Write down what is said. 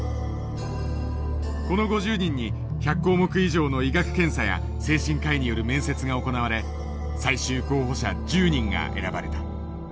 この５０人に１００項目以上の医学検査や精神科医による面接が行われ最終候補者１０人が選ばれた。